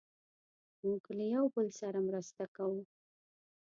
موږ له یو بل سره مرسته کوو.